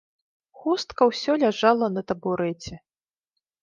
Хустка ўсё ляжала на табурэце.